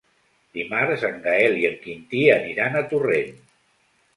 Dimarts en Gaël i en Quintí aniran a Torrent.